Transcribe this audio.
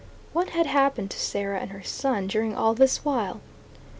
What had happened to Sarah and her son during all this while?